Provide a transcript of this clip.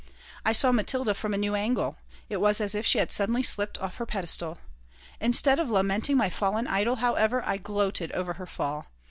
I saw Matilda from a new angle. It was as if she had suddenly slipped off her pedestal. Instead of lamenting my fallen idol, however, I gloated over her fall.